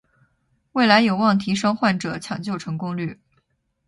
未来有望提升患者抢救成功率